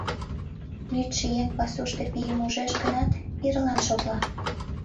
Лӱдшӧ еҥ пасушто пийым ужеш гынат, пирылан шотла.